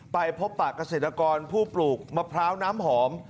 ไปพบปากเกษตรกรผู้ปลูกมะพร้าวน้ำหอม